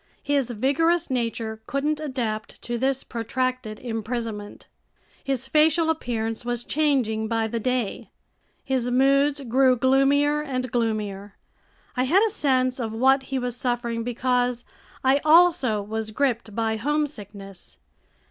His vigorous nature couldn't adapt to this protracted imprisonment. His facial appearance was changing by the day. His moods grew gloomier and gloomier. I had a sense of what he was suffering because I also was gripped by homesickness.